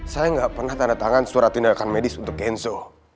saya nggak pernah tanda tangan surat tindakan medis untuk kenzo